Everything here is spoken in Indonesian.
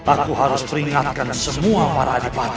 aku harus peringatkan semua para adipati